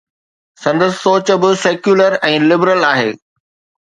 سندس سوچ به سيڪيولر ۽ لبرل آهي.